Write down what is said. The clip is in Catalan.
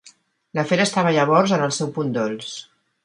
L'afer estava llavors en el seu punt dolç.